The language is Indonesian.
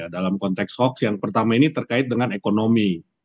dalam konteks hoax yang pertama ini terkait dengan ekonomi